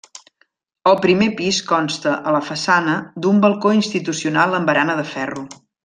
El primer pis consta, a la façana, d’un balcó institucional amb barana de ferro.